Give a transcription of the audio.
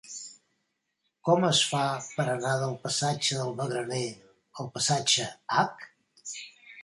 Com es fa per anar del passatge del Magraner al passatge H?